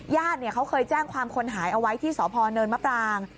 เขาเคยแจ้งความคนหายเอาไว้ที่สพเนินมะปราง